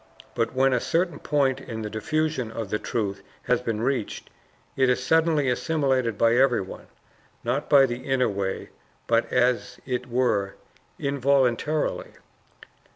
But when a certain point in the diffusion of the truth has been reached, it is suddenly assimilated by everyone, not by the inner way, but, as it were, involuntarily.